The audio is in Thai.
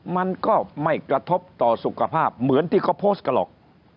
มันก็ไม่กระทบต่อสุขภาพเหมือนที่เขาโพสต์กันหรอก